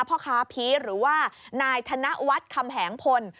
พ่อค้าพีชหรือว่านายธนวัฒน์คำแหงพล